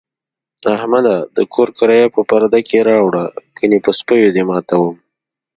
احمده! د کور کرایه په پرده کې راوړه، گني په سپو دې ماتوم.